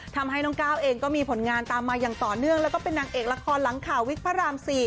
ทำให้น้องก้าวเองก็มีผลงานตามมาอย่างต่อเนื่องแล้วก็เป็นนางเอกละครหลังข่าววิกพระราม๔